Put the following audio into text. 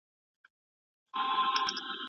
پدې اړه علماوو د ابن كثير رحمه الله قول غوره کړی دی.